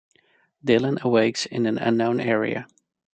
Dylan awakes in an unknown area.